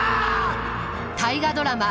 大河ドラマ